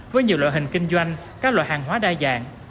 chứa cháy lợi hình kinh doanh các loại hàng hóa đa dạng